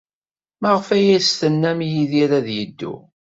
Maɣef ay as-tennam i Yidir ad yeddu?